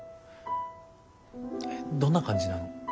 どんな感じなの？